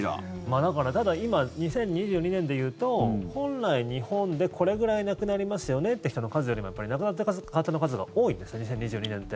だからただ、今、２０２２年でいうと本来、日本でこれぐらい亡くなりますよねって人の数よりも亡くなった方の数が多いんですね２０２２年って。